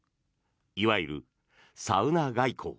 いわゆるサウナ外交。